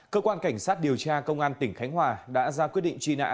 cơ quan cảnh sát điều tra công an tỉnh khánh hòa đã ra quyết định truy nã